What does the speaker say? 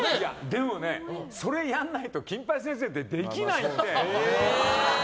でもね、それやらないと「金八先生」できないって。